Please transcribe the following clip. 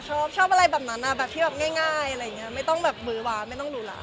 ชอบอะไรแบบนั้นอ่ะแบบที่แบบง่ายไม่ต้องแบบมื้อวาไม่ต้องรูหรา